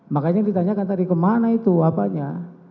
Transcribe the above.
makanya ditanyakan tadi kemana itu apanya